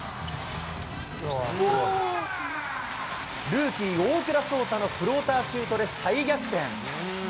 ルーキー、大倉颯太のフローターシュートで再逆転。